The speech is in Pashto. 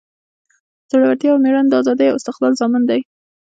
زړورتیا او میړانه د ازادۍ او استقلال ضامن دی.